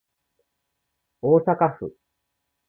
大阪府